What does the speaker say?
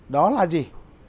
đó là gì